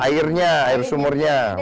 airnya air sumurnya